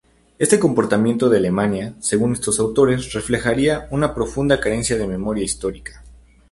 Este comportamiento de Alemania, según estos autores, reflejaría una profunda carencia de memoria histórica.